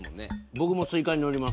僕もスイカにのります